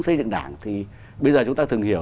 xây dựng đảng thì bây giờ chúng ta thường hiểu